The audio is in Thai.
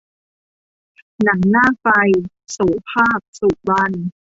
หนังหน้าไฟ- โสภาค สุวรรณ